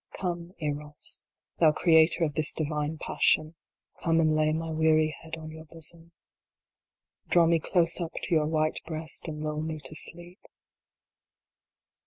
Come, Eros, thou creator of this divine passion, come and lay my weary head on your bosom. Draw me close up to your white breast and lull me to sleep.